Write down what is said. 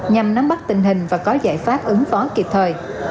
nhằm nắm bắt tình hình và có giải pháp ứng phó kịp thời